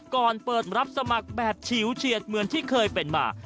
เปิดรับสมัครแบบฉิวเฉียดเหมือนที่เคยเป็นมา